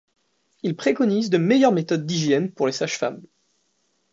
Il préconise de meilleures méthodes d’hygiène pour les sages-femmes.